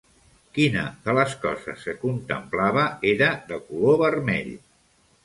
Quina de les coses que contemplava era de color vermell?